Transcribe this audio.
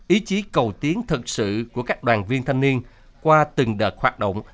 ý chí cầu tiến thật sự của các đoàn viên thanh niên qua từng đợt hoạt động